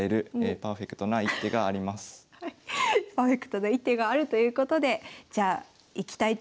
ここでパーフェクトな一手があるということでじゃあいきたいと思います。